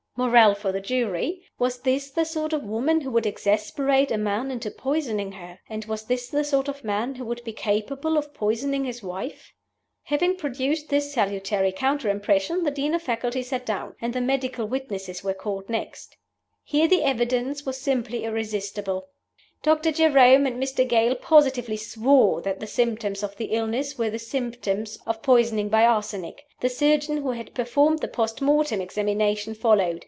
Moral for the jury: Was this the sort of woman who would exasperate a man into poisoning her? And was this the sort of man who would be capable of poisoning his wife? Having produced this salutary counter impression, the Dean of Faculty sat down; and the medical witnesses were called next. Here the evidence was simply irresistible. Dr. Jerome and Mr. Gale positively swore that the symptoms of the illness were the symptoms of poisoning by arsenic. The surgeon who had performed the post mortem examination followed.